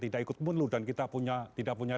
tidak ikut munluluh dan kita tidak punya